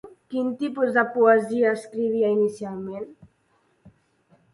Quin tipus de poesia escrivia inicialment?